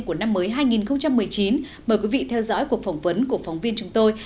của năm mới hai nghìn một mươi chín mời quý vị theo dõi cuộc phỏng vấn của phóng viên chúng tôi